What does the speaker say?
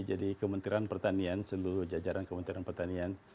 jadi kementerian pertanian seluruh jajaran kementerian pertanian